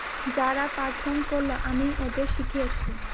যারা পারফর্ম করলো, আমিই ওদের শিখিয়েছি।